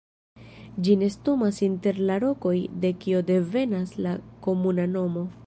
Ĝi nestumas inter la rokoj de kio devenas la komuna nomo.